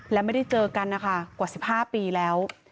และไม่ได้เจอกันนะคะกว่า๑๕ปีแล้ว